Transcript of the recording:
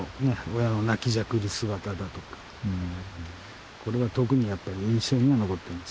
親の泣きじゃくる姿だとかこれは特にやっぱり印象には残ってます